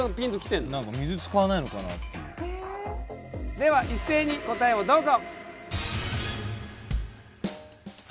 では一斉に答えをどうぞ！